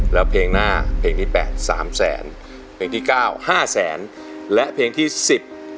แล้วเพลงหน้าเพลงที่แปดสามแสนเพลงที่เก้าห้าแสนและเพลงที่สิบ